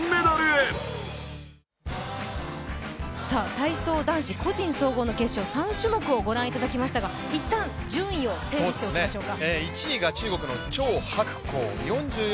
体操男子個人総合の決勝３種目をご覧いただきましたが一旦順位を整理しておきましょうか。